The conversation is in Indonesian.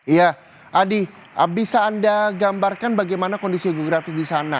iya adi bisa anda gambarkan bagaimana kondisi geografis di sana